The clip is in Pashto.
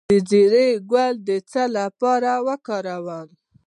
د زیرې ګل د څه لپاره وکاروم؟